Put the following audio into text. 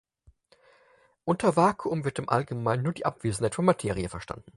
Unter Vakuum wird im Allgemeinen nur die Abwesenheit von Materie verstanden.